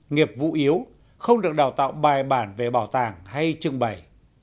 nghiệp vụ yếu không được đào tạo bài bản về bảo tàng hay trưng bày